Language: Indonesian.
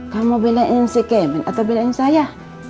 kamu bilangin si kemet atau bilangin saya